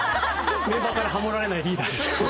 メンバーからハモられないリーダーです。